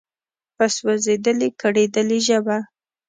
په سوزیدلي، کړیدلي ژبه